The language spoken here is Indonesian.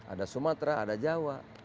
ada sumatera ada jawa